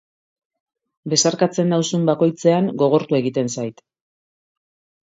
Besarkatzen nauzun bakoitzean gogortu egiten zait.